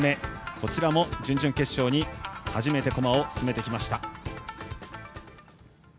こちらも準々決勝に初めて駒を進めてきました。